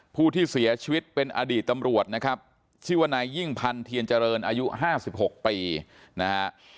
ผู้ที่เสียชีวิตเป็นอดีตตำรวจนะครับชื่อว่านายยิ่งพันธ์เทียนเจริญอายุ๕๖ปีนะฮะ